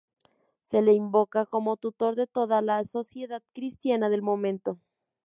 Se le invocaba como tutor de toda la sociedad cristiana del momento.